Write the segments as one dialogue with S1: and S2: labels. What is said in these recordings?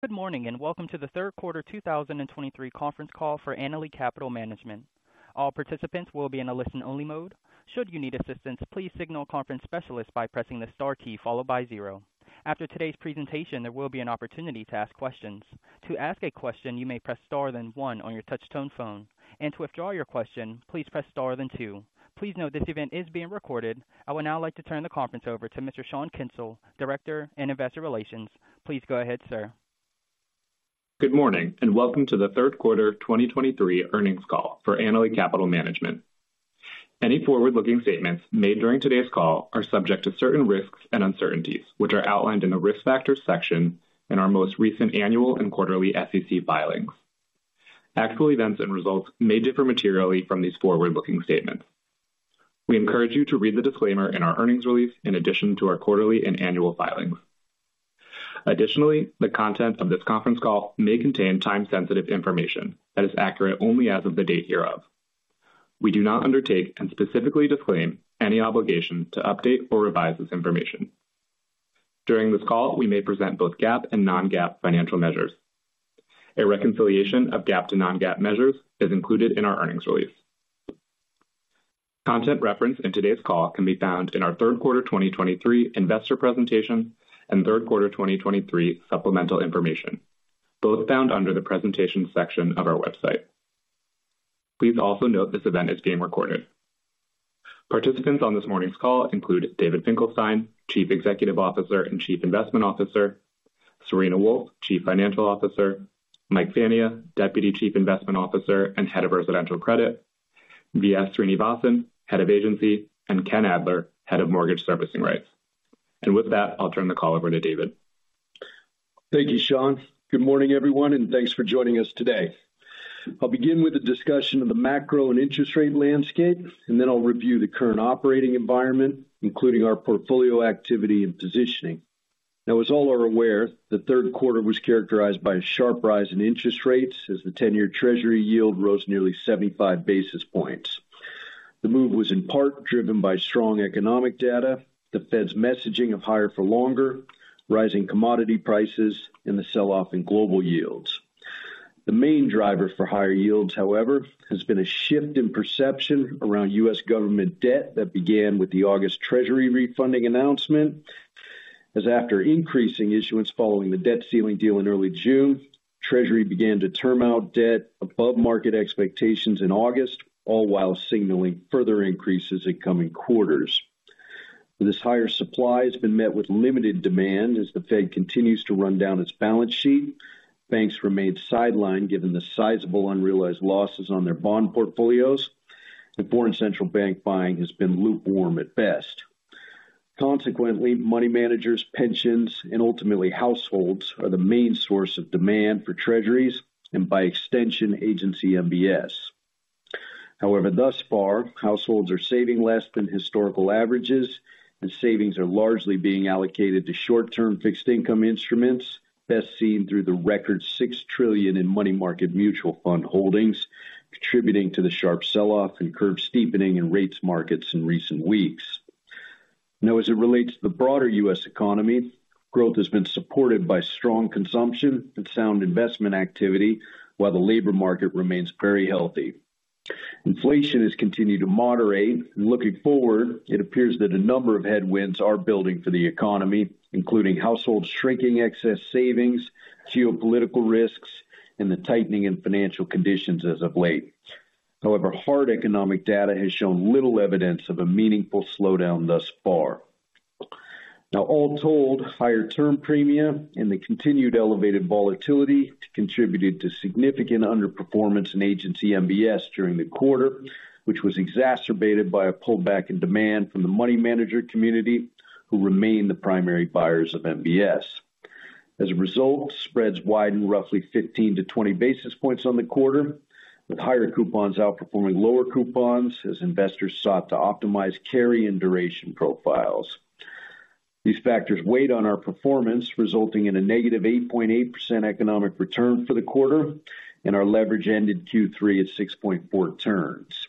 S1: Good morning, and welcome to the third quarter 2023 conference call for Annaly Capital Management. All participants will be in a listen-only mode. Should you need assistance, please signal a conference specialist by pressing the star key followed by zero. After today's presentation, there will be an opportunity to ask questions. To ask a question, you may press star, then one on your touchtone phone, and to withdraw your question, please press star then two. Please note this event is being recorded. I would now like to turn the conference over to Mr. Sean Kensil, Director, Investor Relations. Please go ahead, sir.
S2: Good morning, and welcome to the third quarter 2023 earnings call for Annaly Capital Management. Any forward-looking statements made during today's call are subject to certain risks and uncertainties, which are outlined in the Risk Factors section in our most recent annual and quarterly SEC filings. Actual events and results may differ materially from these forward-looking statements. We encourage you to read the disclaimer in our earnings release in addition to our quarterly and annual filings. Additionally, the content of this conference call may contain time-sensitive information that is accurate only as of the date hereof. We do not undertake and specifically disclaim any obligation to update or revise this information. During this call, we may present both GAAP and non-GAAP financial measures. A reconciliation of GAAP to non-GAAP measures is included in our earnings release. Content referenced in today's call can be found in our third quarter 2023 investor presentation and third quarter 2023 supplemental information, both found under the Presentation section of our website. Please also note this event is being recorded. Participants on this morning's call include David Finkelstein, Chief Executive Officer and Chief Investment Officer, Serena Wolfe, Chief Financial Officer, Mike Fania, Deputy Chief Investment Officer and Head of Residential Credit, V.S. Srinivasan, Head of Agency, and Ken Adler, Head of Mortgage Servicing Rights. With that, I'll turn the call over to David.
S3: Thank you, Sean. Good morning, everyone, and thanks for joining us today. I'll begin with a discussion of the macro and interest rate landscape, and then I'll review the current operating environment, including our portfolio activity and positioning. Now, as all are aware, the third quarter was characterized by a sharp rise in interest rates as the 10-year Treasury yield rose nearly 75 basis points. The move was in part driven by strong economic data, the Fed's messaging of higher for longer, rising commodity prices, and the sell-off in global yields. The main driver for higher yields, however, has been a shift in perception around U.S. government debt that began with the August Treasury refunding announcement, as after increasing issuance following the debt ceiling deal in early June, Treasury began to term out debt above market expectations in August, all while signaling further increases in coming quarters. This higher supply has been met with limited demand as the Fed continues to run down its balance sheet. Banks remain sidelined, given the sizable unrealized losses on their bond portfolios, and foreign central bank buying has been lukewarm at best. Consequently, money managers, pensions, and ultimately households are the main source of demand for Treasuries and by extension, Agency MBS. However, thus far, households are saving less than historical averages, and savings are largely being allocated to short-term fixed income instruments, best seen through the record $6 trillion in money market mutual fund holdings, contributing to the sharp sell-off and curve steepening in rates markets in recent weeks. Now, as it relates to the broader U.S. economy, growth has been supported by strong consumption and sound investment activity, while the labor market remains very healthy. Inflation has continued to moderate, and looking forward, it appears that a number of headwinds are building for the economy, including households shrinking excess savings, geopolitical risks, and the tightening in financial conditions as of late. However, hard economic data has shown little evidence of a meaningful slowdown thus far. Now, all told, higher term premia and the continued elevated volatility contributed to significant underperformance in Agency MBS during the quarter, which was exacerbated by a pullback in demand from the money manager community, who remain the primary buyers of MBS. As a result, spreads widened roughly 15-20 basis points on the quarter, with higher coupons outperforming lower coupons as investors sought to optimize carry and duration profiles. These factors weighed on our performance, resulting in a -8.8% economic return for the quarter, and our leverage ended Q3 at 6.4 turns.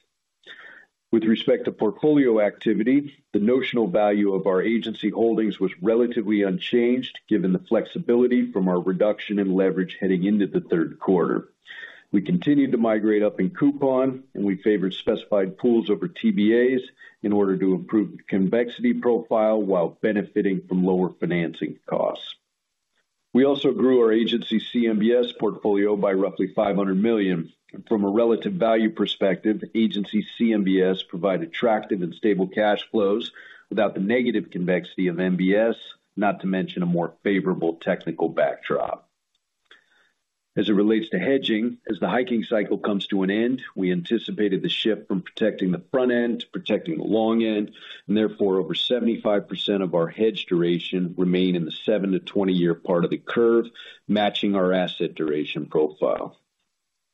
S3: With respect to portfolio activity, the notional value of our Agency holdings was relatively unchanged, given the flexibility from our reduction in leverage heading into the third quarter. We continued to migrate up in coupon, and we favored specified pools over TBAs in order to improve the convexity profile while benefiting from lower financing costs. We also grew our Agency CMBS portfolio by roughly $500 million. From a relative value perspective, Agency CMBS provide attractive and stable cash flows without the negative convexity of MBS, not to mention a more favorable technical backdrop. As it relates to hedging, as the hiking cycle comes to an end, we anticipated the shift from protecting the front end to protecting the long end, and therefore, over 75% of our hedge duration remains in the seven- to 20-year part of the curve, matching our asset duration profile.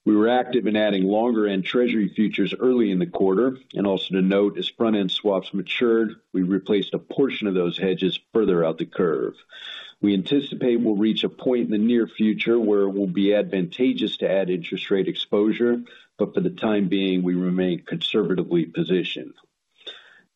S3: We were active in adding longer-end Treasury futures early in the quarter, and also to note, as front-end swaps matured, we replaced a portion of those hedges further out the curve. We anticipate we'll reach a point in the near future where it will be advantageous to add interest rate exposure, but for the time being, we remain conservatively positioned.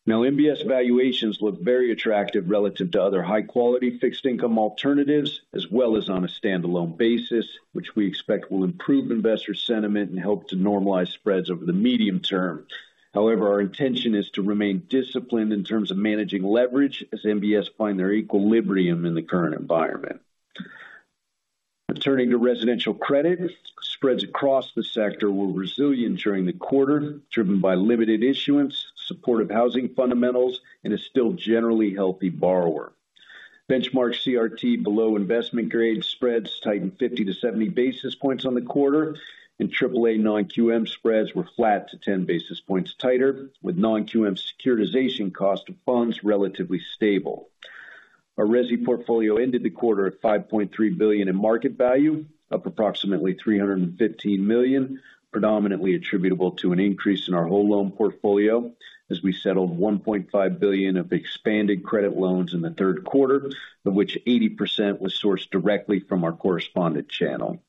S3: Now, MBS valuations look very attractive relative to other high-quality fixed income alternatives, as well as on a standalone basis, which we expect will improve investor sentiment and help to normalize spreads over the medium term. However, our intention is to remain disciplined in terms of managing leverage as MBS find their equilibrium in the current environment. Turning to residential credit, spreads across the sector were resilient during the quarter, driven by limited issuance, supportive housing fundamentals, and a still generally healthy borrower. Benchmark CRT below investment grade spreads tightened 50-70 basis points on the quarter, and Triple-A non-QM spreads were flat to 10 basis points tighter, with non-QM securitization cost of funds relatively stable. Our resi portfolio ended the quarter at $5.3 billion in market value, up approximately $315 million, predominantly attributable to an increase in our whole loan portfolio, as we settled $1.5 billion of expanded credit loans in the third quarter, of which 80% was sourced directly from our correspondent channel.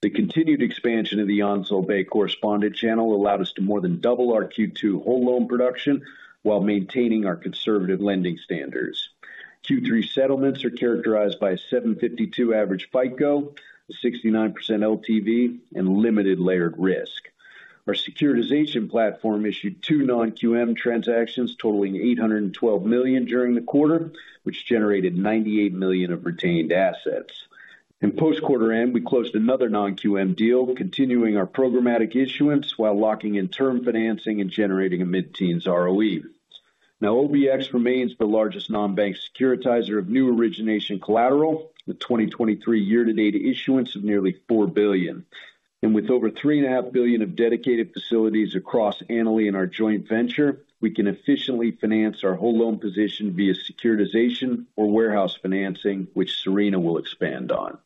S3: The continued expansion of the Onslow Bay correspondent channel allowed us to more than double our Q2 whole loan production while maintaining our conservative lending standards. Q3 settlements are characterized by a 752 average FICO, 69% LTV, and limited layered risk. Our securitization platform issued two non-QM transactions totaling $812 million during the quarter, which generated $98 million of retained assets. In post-quarter end, we closed another non-QM deal, continuing our programmatic issuance while locking in term financing and generating a mid-teens ROE. Now, OBX remains the largest non-bank securitizer of new origination collateral, with 2023 year-to-date issuance of nearly $4 billion. With over $3.5 billion of dedicated facilities across Annaly and our joint venture, we can efficiently finance our whole loan position via securitization or warehouse financing, which Serena will expand on.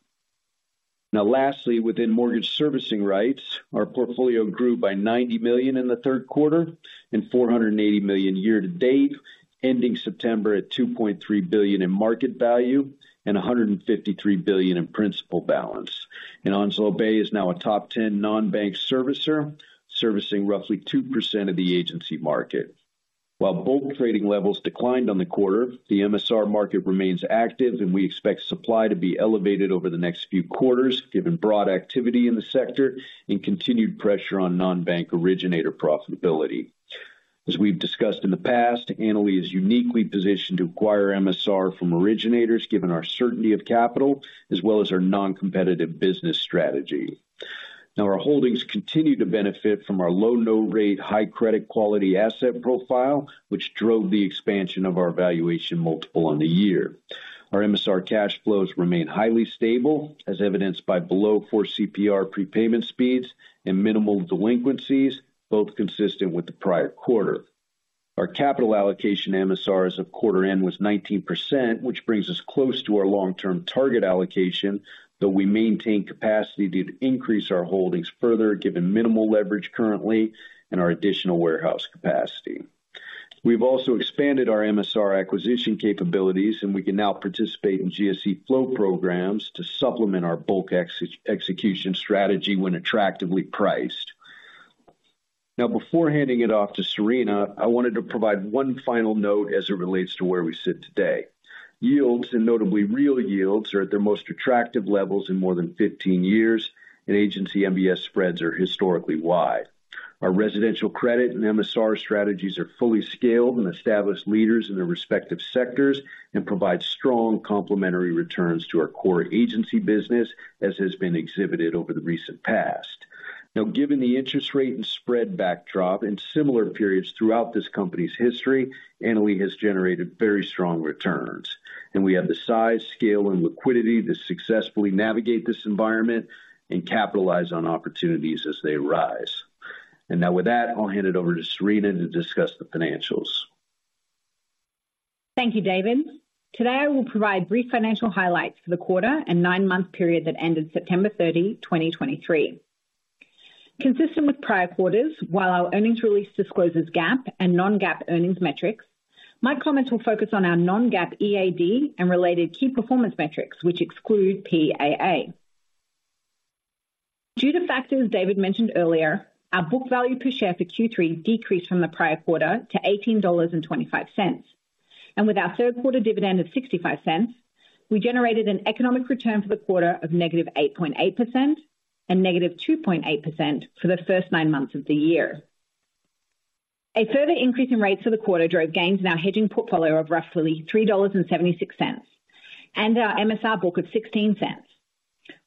S3: Now, lastly, within mortgage servicing rights, our portfolio grew by $90 million in the third quarter and $480 million year-to-date, ending September at $2.3 billion in market value and $153 billion in principal balance. Onslow Bay is now a top ten non-bank servicer, servicing roughly 2% of the Agency market. While bulk trading levels declined on the quarter, the MSR market remains active, and we expect supply to be elevated over the next few quarters, given broad activity in the sector and continued pressure on non-bank originator profitability. As we've discussed in the past, Annaly is uniquely positioned to acquire MSR from originators, given our certainty of capital as well as our non-competitive business strategy. Now, our holdings continue to benefit from our low note rate, high credit quality asset profile, which drove the expansion of our valuation multiple on the year. Our MSR cash flows remain highly stable, as evidenced by below 4 CPR prepayment speeds and minimal delinquencies, both consistent with the prior quarter. Our capital allocation MSR as of quarter end was 19%, which brings us close to our long-term target allocation, though we maintain capacity to increase our holdings further, given minimal leverage currently and our additional warehouse capacity. We've also expanded our MSR acquisition capabilities, and we can now participate in GSE flow programs to supplement our bulk execution strategy when attractively priced. Now, before handing it off to Serena, I wanted to provide one final note as it relates to where we sit today. Yields, and notably real yields, are at their most attractive levels in more than 15 years, and Agency MBS spreads are historically wide. Our residential credit and MSR strategies are fully scaled and established leaders in their respective sectors and provide strong complementary returns to our core Agency business, as has been exhibited over the recent past. Now, given the interest rate and spread backdrop in similar periods throughout this company's history, Annaly has generated very strong returns, and we have the size, scale, and liquidity to successfully navigate this environment and capitalize on opportunities as they arise. And now, with that, I'll hand it over to Serena to discuss the financials.
S4: Thank you, David. Today, I will provide brief financial highlights for the quarter and nine-month period that ended September 30, 2023. Consistent with prior quarters, while our earnings release discloses GAAP and non-GAAP earnings metrics, my comments will focus on our non-GAAP EAD and related key performance metrics, which exclude PAA. Due to factors David mentioned earlier, our book value per share for Q3 decreased from the prior quarter to $18.25. With our third quarter dividend of $0.65, we generated an economic return for the quarter of -8.8% and -2.8% for the first nine months of the year. A further increase in rates for the quarter drove gains in our hedging portfolio of roughly $3.76, and our MSR book of $0.16.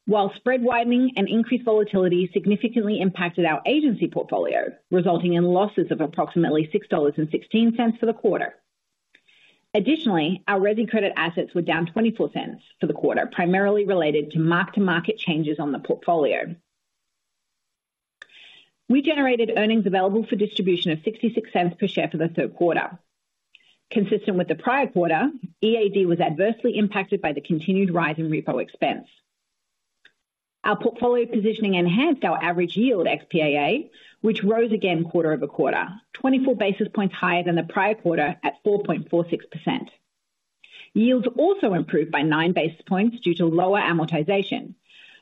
S4: While spread widening and increased volatility significantly impacted our Agency portfolio, resulting in losses of approximately $6.16 for the quarter. Additionally, our resi credit assets were down $0.24 for the quarter, primarily related to mark-to-market changes on the portfolio. We generated earnings available for distribution of $0.66 per share for the third quarter. Consistent with the prior quarter, EAD was adversely impacted by the continued rise in repo expense. Our portfolio positioning enhanced our average yield ex PAA, which rose again quarter-over-quarter, 24 basis points higher than the prior quarter at 4.46%.... yields also improved by 9 basis points due to lower amortization,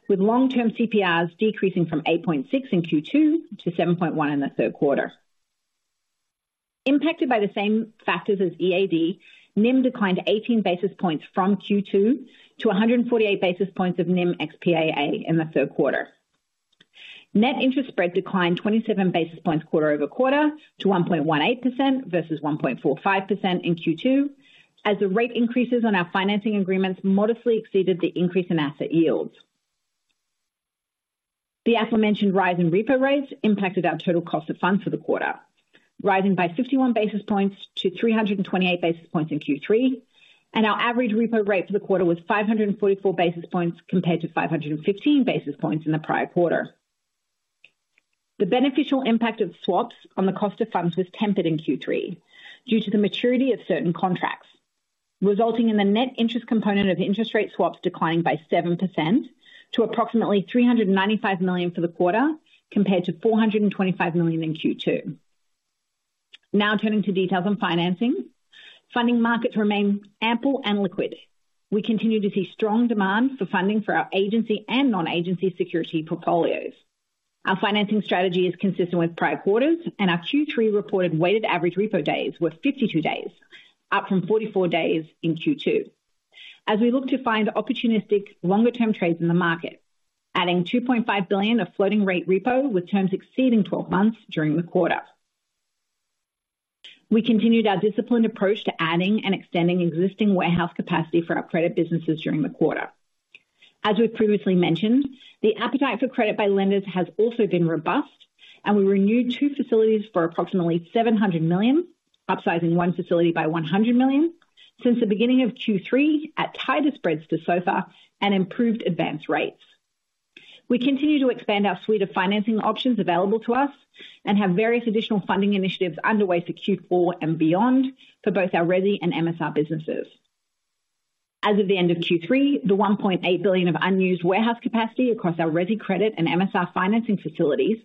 S4: with long-term CPRs decreasing from 8.6 in Q2 to 7.1% in the third quarter. Impacted by the same factors as EAD, NIM declined 18 basis points from Q2 to 148 basis points of NIM ex PAA in the third quarter. Net interest spread declined 27 basis points quarter-over-quarter to 1.18% versus 1.45% in Q2, as the rate increases on our financing agreements modestly exceeded the increase in asset yields. The aforementioned rise in repo rates impacted our total cost of funds for the quarter, rising by 51 basis points to 328 basis points in Q3, and our average repo rate for the quarter was 544 basis points, compared to 515 basis points in the prior quarter. The beneficial impact of swaps on the cost of funds was tempered in Q3 due to the maturity of certain contracts, resulting in the net interest component of interest rate swaps declining by 7% to approximately $395 million for the quarter, compared to $425 million in Q2. Now turning to details on financing. Funding markets remain ample and liquid. We continue to see strong demand for funding for our Agency and non-Agency security portfolios. Our financing strategy is consistent with prior quarters, and our Q3 reported weighted average repo days were 52 days, up from 44 days in Q2. As we look to find opportunistic longer-term trades in the market, adding $2.5 billion of floating rate repo with terms exceeding 12 months during the quarter. We continued our disciplined approach to adding and extending existing warehouse capacity for our credit businesses during the quarter. As we've previously mentioned, the appetite for credit by lenders has also been robust, and we renewed two facilities for approximately $700 million, upsizing one facility by $100 million since the beginning of Q3 at tighter spreads to SOFR and improved advance rates. We continue to expand our suite of financing options available to us and have various additional funding initiatives underway for Q4 and beyond for both our resi and MSR businesses. As of the end of Q3, the $1.8 billion of unused warehouse capacity across our resi credit and MSR financing facilities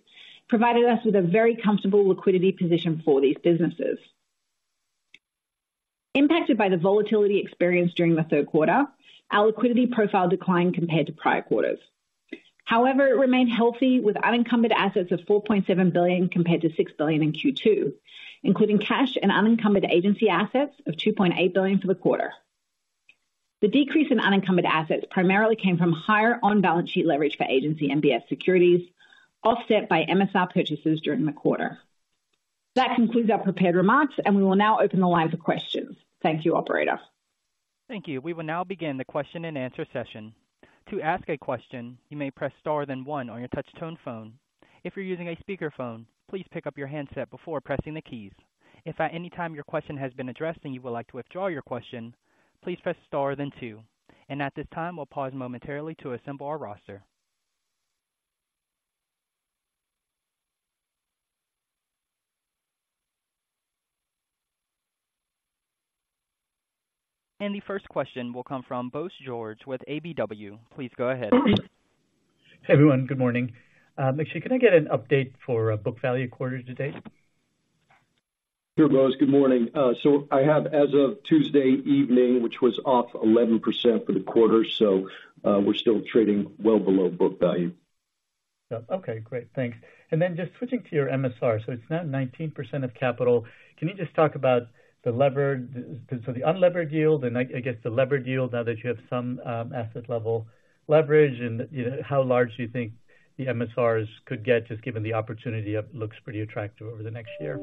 S4: provided us with a very comfortable liquidity position for these businesses. Impacted by the volatility experienced during the third quarter, our liquidity profile declined compared to prior quarters. However, it remained healthy, with unencumbered assets of $4.7 billion compared to $6 billion in Q2, including cash and unencumbered Agency assets of $2.8 billion for the quarter. The decrease in unencumbered assets primarily came from higher on-balance sheet leverage for Agency MBS securities, offset by MSR purchases during the quarter. That concludes our prepared remarks, and we will now open the line for questions. Thank you, operator.
S1: Thank you. We will now begin the question-and-answer session. To ask a question, you may press star then one on your touch tone phone. If you're using a speakerphone, please pick up your handset before pressing the keys. If at any time your question has been addressed and you would like to withdraw your question, please press star then two. At this time, we'll pause momentarily to assemble our roster. The first question will come from Bose George with KBW. Please go ahead.
S5: Hey, everyone. Good morning. Actually, can I get an update for book value quarter to date?
S3: Sure, Bose. Good morning. I have as of Tuesday evening, which was off 11% for the quarter, so we're still trading well below book value.
S5: Yeah. Okay, great. Thanks. And then just switching to your MSR. So it's now 19% of capital. Can you just talk about the leverage, so the unlevered yield and I guess the levered yield now that you have some asset level leverage, and, you know, how large do you think the MSRs could get, just given the opportunity it looks pretty attractive over the next year?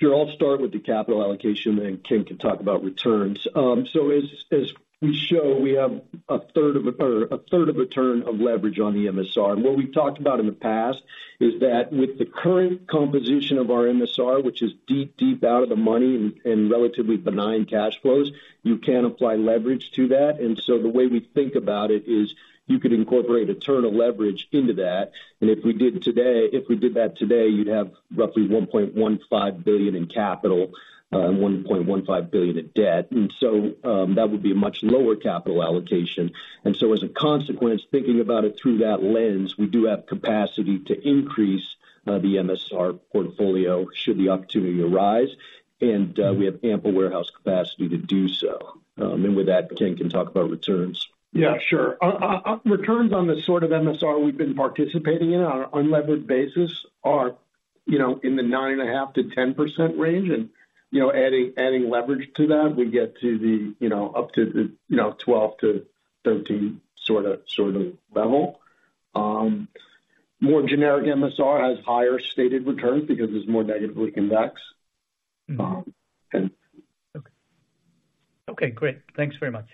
S3: Sure. I'll start with the capital allocation, and then Ken can talk about returns. So as, as we show, we have a third of a, or a third of a turn of leverage on the MSR. And what we've talked about in the past is that with the current composition of our MSR, which is deep, deep out of the money and, and relatively benign cash flows, you can apply leverage to that. And so the way we think about it is you could incorporate a turn of leverage into that. And if we did today-- if we did that today, you'd have roughly $1.15 billion in capital, and $1.15 billion in debt. And so, that would be a much lower capital allocation. As a consequence, thinking about it through that lens, we do have capacity to increase the MSR portfolio should the opportunity arise, and we have ample warehouse capacity to do so. With that, Ken can talk about returns.
S6: Yeah, sure. Returns on the sort of MSR we've been participating in on an unlevered basis are, you know, in the 9.5%-10% range, and, you know, adding leverage to that, we get to the, you know, up to the 12-13 sort of level. More generic MSR has higher stated returns because it's more negatively convex.
S5: Okay. Okay, great. Thanks very much.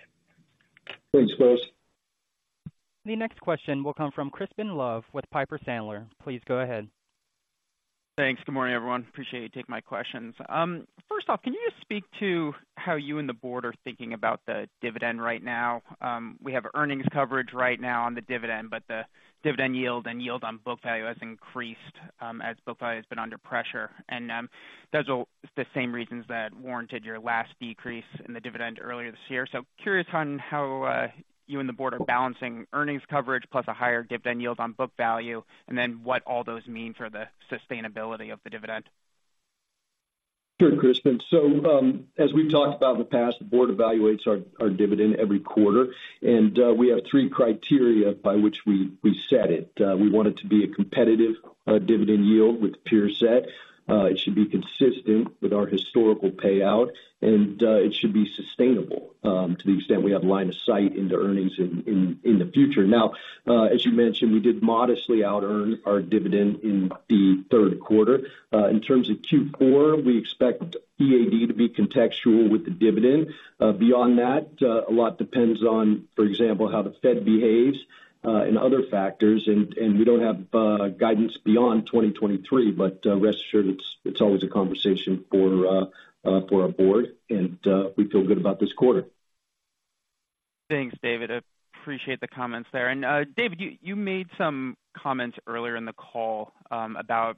S6: Thanks, Bose.
S1: The next question will come from Crispin Love with Piper Sandler. Please go ahead.
S7: Thanks. Good morning, everyone. Appreciate you taking my questions. First off, can you just speak to how you and the board are thinking about the dividend right now? We have earnings coverage right now on the dividend, but the dividend yield and yield on book value has increased, as book value has been under pressure. Those are the same reasons that warranted your last decrease in the dividend earlier this year. So curious on how, you and the board are balancing earnings coverage plus a higher dividend yield on book value, and then what all those mean for the sustainability of the dividend?...
S3: Sure, Crispin. So, as we've talked about in the past, the board evaluates our dividend every quarter, and we have three criteria by which we set it. We want it to be a competitive dividend yield with the peer set. It should be consistent with our historical payout, and it should be sustainable, to the extent we have line of sight into earnings in the future. Now, as you mentioned, we did modestly out earn our dividend in the third quarter. In terms of Q4, we expect EAD to be contextual with the dividend. Beyond that, a lot depends on, for example, how the Fed behaves, and other factors. And we don't have guidance beyond 2023, but rest assured, it's always a conversation for our board, and we feel good about this quarter.
S7: Thanks, David. I appreciate the comments there. And, David, you made some comments earlier in the call, about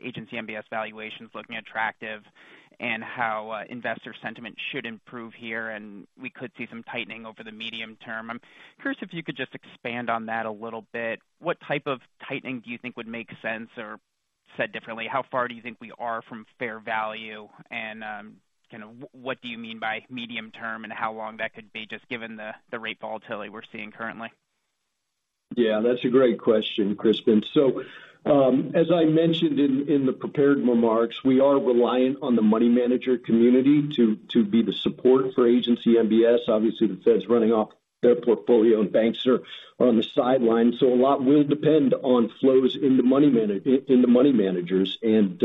S7: Agency MBS valuations looking attractive and how investor sentiment should improve here, and we could see some tightening over the medium term. I'm curious if you could just expand on that a little bit. What type of tightening do you think would make sense, or said differently, how far do you think we are from fair value? And, kind of what do you mean by medium term, and how long that could be, just given the rate volatility we're seeing currently?
S3: Yeah, that's a great question, Crispin. So, as I mentioned in the prepared remarks, we are reliant on the money manager community to be the support for Agency MBS. Obviously, the Fed's running off their portfolio, and banks are on the sidelines, so a lot will depend on flows in the money managers. And,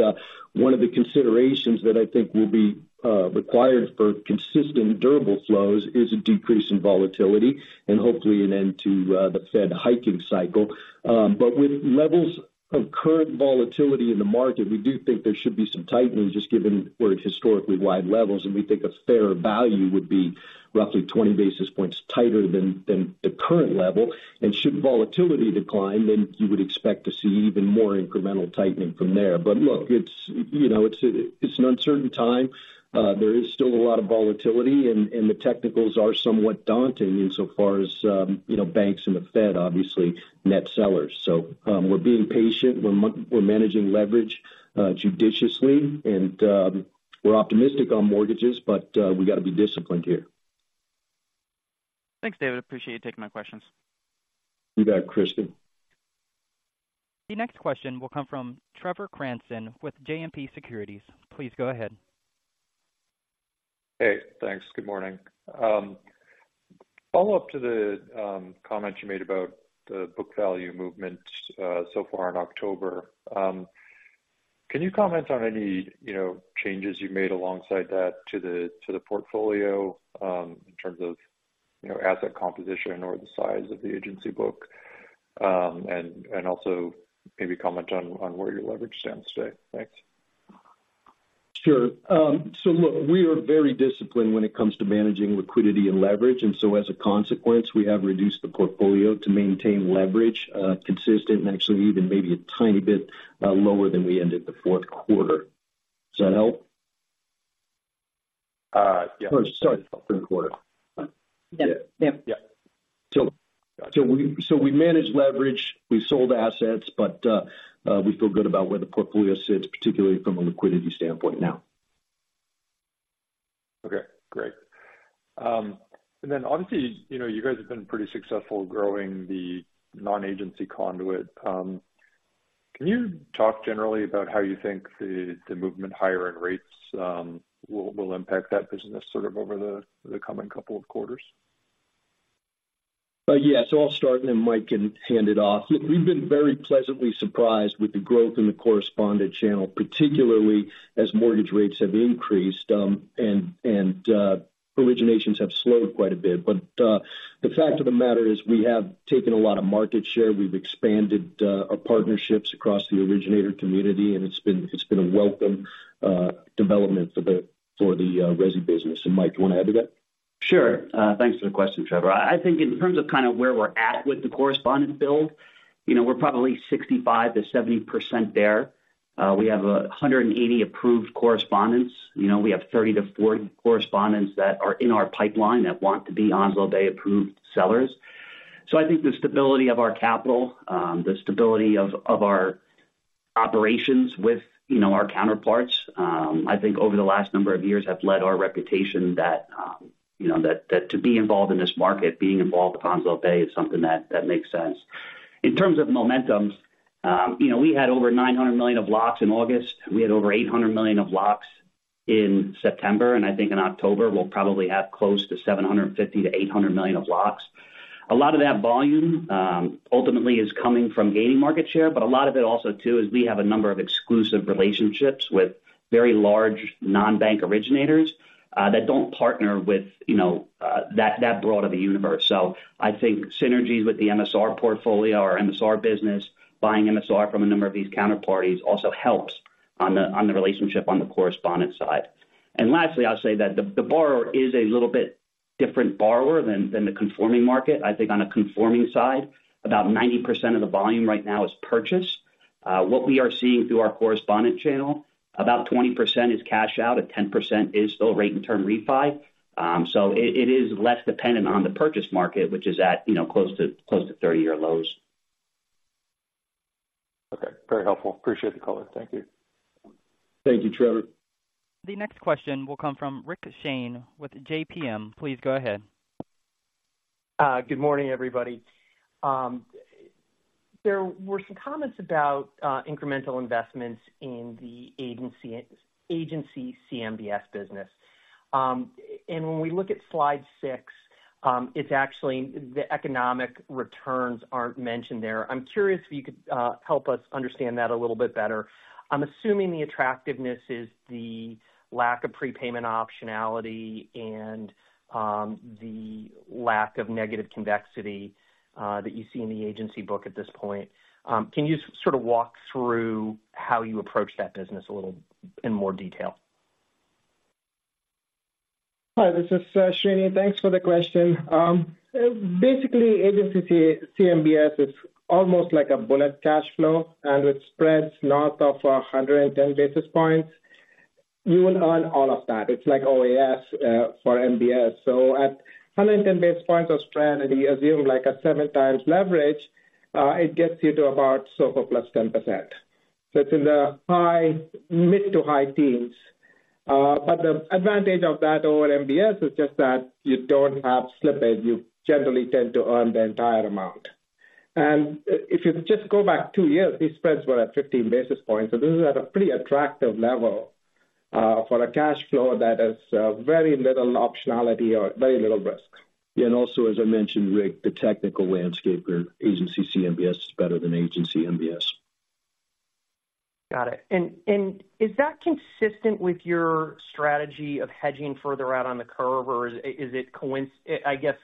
S3: one of the considerations that I think will be required for consistent, durable flows is a decrease in volatility and hopefully an end to the Fed hiking cycle. But with levels of current volatility in the market, we do think there should be some tightening, just given we're at historically wide levels, and we think a fairer value would be roughly 20 basis points tighter than the current level. Should volatility decline, then you would expect to see even more incremental tightening from there. But look, it's, you know, it's, it's an uncertain time. There is still a lot of volatility, and the technicals are somewhat daunting insofar as, you know, banks and the Fed, obviously, net sellers. So, we're being patient. We're managing leverage judiciously, and we're optimistic on mortgages, but we've got to be disciplined here.
S7: Thanks, David. Appreciate you taking my questions.
S3: You bet, Crispin.
S1: The next question will come from Trevor Cranston with JMP Securities. Please go ahead.
S8: Hey, thanks. Good morning. Follow-up to the comment you made about the book value movement so far in October. Can you comment on any, you know, changes you've made alongside that to the portfolio in terms of, you know, asset composition or the size of the Agency book? And also maybe comment on where your leverage stands today. Thanks.
S3: Sure. So look, we are very disciplined when it comes to managing liquidity and leverage, and so as a consequence, we have reduced the portfolio to maintain leverage consistent and actually even maybe a tiny bit lower than we ended the fourth quarter. Does that help?
S8: Uh, yeah.
S3: Sorry, third quarter.
S8: Yeah. Yeah.
S3: So we managed leverage, we sold assets, but we feel good about where the portfolio sits, particularly from a liquidity standpoint now.
S8: Okay, great. And then obviously, you know, you guys have been pretty successful growing the non-Agency conduit. Can you talk generally about how you think the movement higher in rates will impact that business sort of over the coming couple of quarters?
S3: Yes, so I'll start, and then Mike can hand it off. We've been very pleasantly surprised with the growth in the correspondent channel, particularly as mortgage rates have increased, and originations have slowed quite a bit. But the fact of the matter is, we have taken a lot of market share. We've expanded our partnerships across the originator community, and it's been a welcome development for the resi business. And Mike, you want to add to that?
S9: Sure. Thanks for the question, Trevor. I think in terms of kind of where we're at with the correspondent build, you know, we're probably 65%-70% there. We have 180 approved correspondents. You know, we have 30-40 correspondents that are in our pipeline that want to be Onslow Bay approved sellers. So I think the stability of our capital, the stability of our operations with, you know, our counterparts, I think over the last number of years have led our reputation that, you know, that to be involved in this market, being involved with Onslow Bay is something that makes sense. In terms of momentum, you know, we had over $900 million of locks in August. We had over $800 million of locks in September, and I think in October, we'll probably have close to $750 million-$800 million of locks. A lot of that volume ultimately is coming from gaining market share, but a lot of it also, too, is we have a number of exclusive relationships with very large non-bank originators that don't partner with you know that broad of a universe. So I think synergies with the MSR portfolio or MSR business, buying MSR from a number of these counterparties also helps on the relationship on the correspondent side. And lastly, I'll say that the borrower is a little bit different borrower than the conforming market. I think on a conforming side, about 90% of the volume right now is purchase. What we are seeing through our correspondent channel, about 20% is cash out, and 10% is still rate and term refi. So it is less dependent on the purchase market, which is at, you know, close to, close to 30-year lows....
S8: Okay, very helpful. Appreciate the call. Thank you.
S3: Thank you, Trevor.
S1: The next question will come from Rick Shane with JPMorgan. Please go ahead.
S10: Good morning, everybody. There were some comments about incremental investments in the Agency, Agency CMBS business. And when we look at slide six, it's actually the economic returns aren't mentioned there. I'm curious if you could help us understand that a little bit better. I'm assuming the attractiveness is the lack of prepayment optionality and the lack of negative convexity that you see in the Agency book at this point. Can you sort of walk through how you approach that business a little in more detail?
S11: Hi, this is Srini. Thanks for the question. Basically, Agency CMBS is almost like a bullet cash flow, and with spreads north of 110 basis points, you will earn all of that. It's like OAS for MBS. So at 110 basis points of spread, and you assume like a 7x leverage, it gets you to about so +10%. So it's in the high, mid- to high teens. But the advantage of that over MBS is just that you don't have slippage. You generally tend to earn the entire amount. And if you just go back two years, these spreads were at 15 basis points. So this is at a pretty attractive level for a cash flow that has very little optionality or very little risk.
S3: Also, as I mentioned, Rick, the technical landscape for Agency CMBS is better than Agency MBS.
S10: Got it. And is that consistent with your strategy of hedging further out on the curve, or is it coincidence, I guess,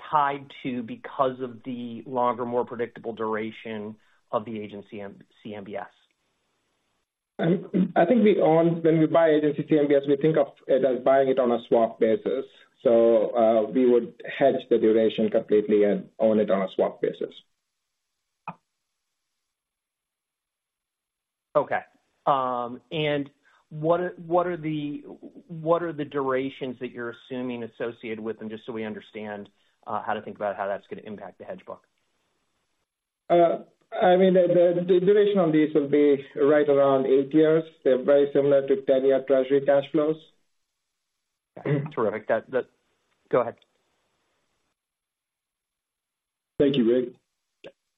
S10: tied to because of the longer, more predictable duration of the Agency MBS-CMBS?
S11: I think when we buy Agency CMBS, we think of it as buying it on a swap basis. So, we would hedge the duration completely and own it on a swap basis.
S10: Okay. And what are the durations that you're assuming associated with them, just so we understand how to think about how that's going to impact the hedge book?
S11: I mean, the duration on these will be right around 8 years. They're very similar to 10-year Treasury cash flows.
S10: Terrific. Go ahead.
S3: Thank you, Rick.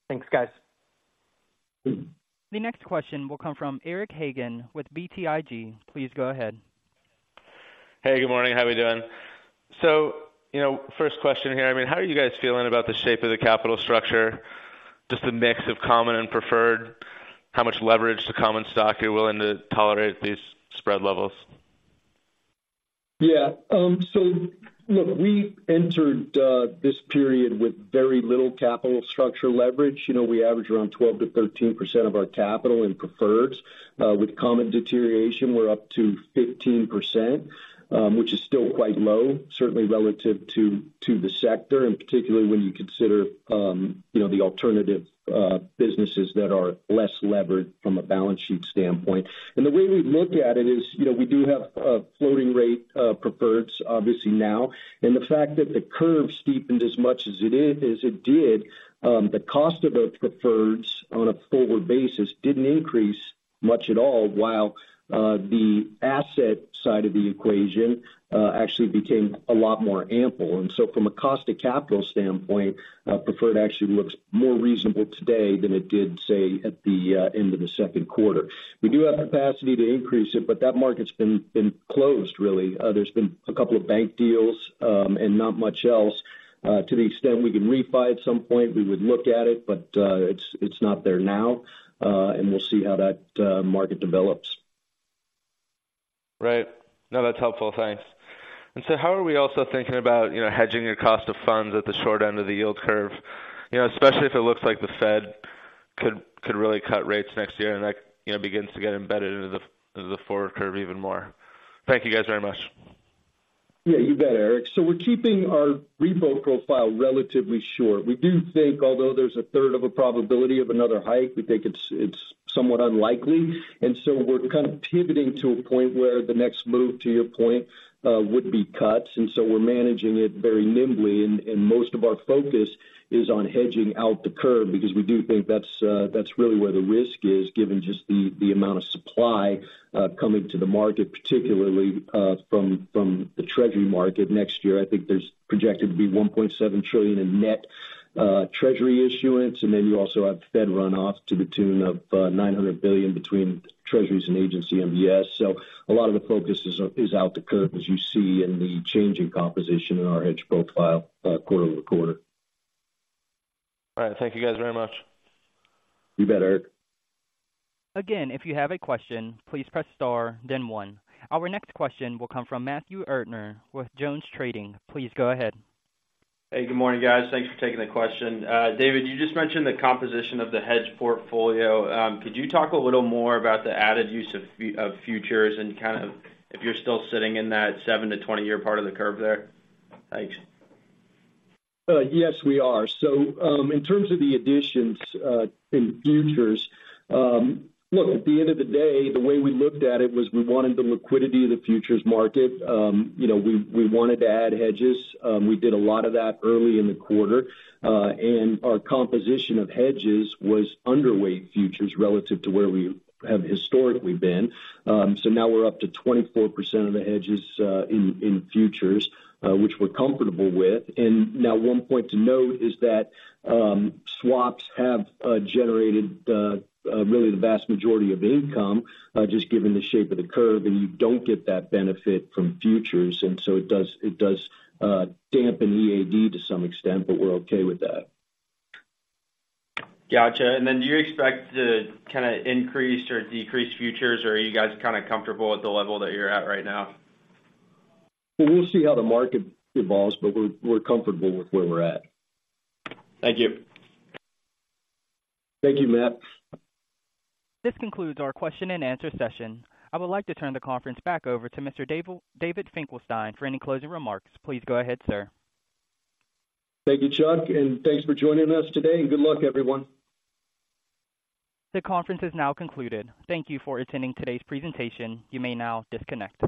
S10: Thanks, guys.
S1: The next question will come from Eric Hagen with BTIG. Please go ahead.
S12: Hey, good morning. How are we doing? So, you know, first question here. I mean, how are you guys feeling about the shape of the capital structure, just the mix of common and preferred? How much leverage to common stock are you willing to tolerate at these spread levels?
S3: Yeah, so look, we entered this period with very little capital structure leverage. You know, we average around 12%-13% of our capital in preferred. With common deterioration, we're up to 15%, which is still quite low, certainly relative to the sector, and particularly when you consider, you know, the alternative businesses that are less levered from a balance sheet standpoint. And the way we look at it is, you know, we do have a floating rate preferreds, obviously now. And the fact that the curve steepened as much as it is, as it did, the cost of the preferreds on a forward basis didn't increase much at all, while the asset side of the equation actually became a lot more ample. From a cost of capital standpoint, preferred actually looks more reasonable today than it did, say, at the end of the second quarter. We do have capacity to increase it, but that market's been closed, really. There's been a couple of bank deals, and not much else. To the extent we can refi at some point, we would look at it, but it's not there now, and we'll see how that market develops.
S12: Right. No, that's helpful. Thanks. And so how are we also thinking about, you know, hedging your cost of funds at the short end of the yield curve? You know, especially if it looks like the Fed could, could really cut rates next year, and that, you know, begins to get embedded into the, the forward curve even more. Thank you guys very much.
S3: Yeah, you bet, Eric. So we're keeping our repo profile relatively short. We do think although there's a third of a probability of another hike, we think it's somewhat unlikely. And so we're kind of pivoting to a point where the next move, to your point, would be cuts, and so we're managing it very nimbly. And most of our focus is on hedging out the curve because we do think that's really where the risk is, given just the amount of supply coming to the market, particularly from the Treasury market next year. I think there's projected to be $1.7 trillion in net Treasury issuance, and then you also have Fed runoff to the tune of $900 billion between Treasuries and Agency MBS. So a lot of the focus is out the curve, as you see in the changing composition in our hedge profile, quarter-over-quarter.
S12: All right. Thank you, guys, very much.
S3: You bet, Eric.
S1: Again, if you have a question, please press star, then one. Our next question will come from Matthew Erdner with JonesTrading. Please go ahead.
S13: Hey, good morning, guys. Thanks for taking the question. David, you just mentioned the composition of the hedge portfolio. Could you talk a little more about the added use of futures and kind of if you're still sitting in that seven-20-year part of the curve there? Thanks.
S3: Yes, we are. So, in terms of the additions, in futures, look, at the end of the day, the way we looked at it was we wanted the liquidity of the futures market. You know, we wanted to add hedges. We did a lot of that early in the quarter, and our composition of hedges was underweight futures relative to where we have historically been. So now we're up to 24% of the hedges in futures, which we're comfortable with. And now one point to note is that swaps have generated really the vast majority of income, just given the shape of the curve, and you don't get that benefit from futures, and so it does dampen EAD to some extent, but we're okay with that.
S13: Gotcha. And then do you expect to kind of increase or decrease futures, or are you guys kind of comfortable at the level that you're at right now?
S3: Well, we'll see how the market evolves, but we're comfortable with where we're at.
S13: Thank you.
S3: Thank you, Matt.
S1: This concludes our question and answer session. I would like to turn the conference back over to Mr. David Finkelstein for any closing remarks. Please go ahead, sir.
S3: Thank you, Chuck, and thanks for joining us today, and good luck, everyone.
S1: The conference is now concluded. Thank you for attending today's presentation. You may now disconnect.